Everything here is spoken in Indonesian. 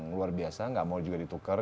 luar biasa nggak mau juga ditukar